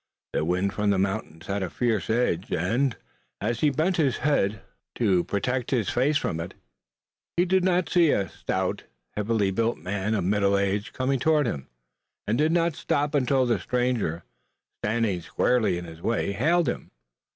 The wind from the mountains had a fierce edge, and, as he bent his head to protect his face from it, he did not see a stout, heavily built man of middle age coming toward him, and did not stop until the stranger, standing squarely in his way, hailed him.